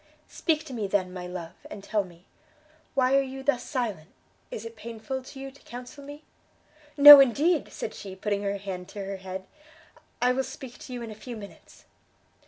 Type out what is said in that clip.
"Speak to me, then, my love, and tell me; why are you thus silent? is it painful to you to counsel me?" "No, indeed!" said she, putting her hand to her head, "I will speak to you in a few minutes."